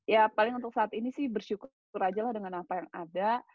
ya paling untuk saat ini sih bersyukur syukur aja lah dengan apa yang ada